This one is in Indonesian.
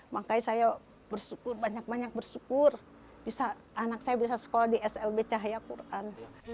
makanya saya bersyukur banyak banyak bersyukur bisa anak saya bisa sekolah di slb cahaya quran